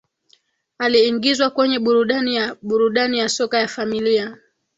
Aliingizwa kwenye Burudani ya Burudani ya Soka ya Familia